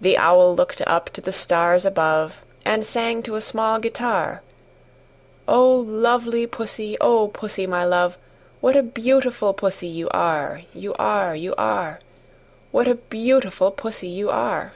The Owl looked up to the stars above, And sang to a small guitar, "O lovely Pussy, O Pussy, my love, What a beautiful Pussy you are, You are, You are! What a beautiful Pussy you are!"